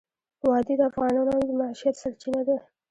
وادي د افغانانو د معیشت سرچینه ده.